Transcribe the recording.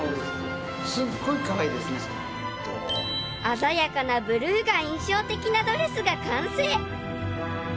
［鮮やかなブルーが印象的なドレスが完成！］